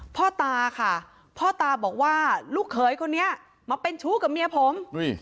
พ่อตาค่ะพ่อตาบอกว่าลูกเขยคนนี้มาเป็นชู้กับเมียผม